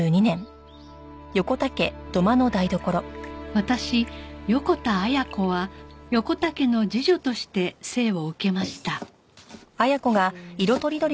私横田綾子は横田家の次女として生を受けました